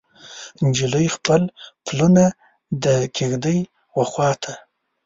نجلۍ خپل پلونه د کیږدۍ وخواته